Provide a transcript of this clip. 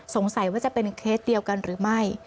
สงสัยว่าจะเป็นเคสเดียวกันหรือไม่